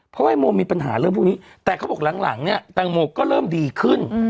เพราะว่าไอ้โมมีปัญหาเรื่องพวกนี้แต่เขาบอกหลังเนี่ยแตงโมก็เริ่มดีขึ้น